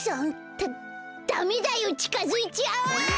ダダメだよちかづいちゃあっ！